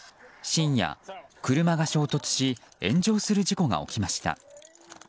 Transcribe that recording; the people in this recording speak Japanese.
深夜、車が衝突し炎上する事故が起きました。